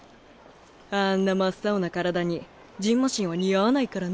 あんな真っ青な体にじんましんは似合わないからね。